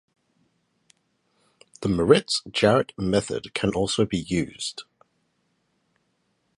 The Maritz-Jarrett method can also be used.